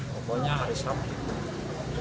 pokoknya hari sabtu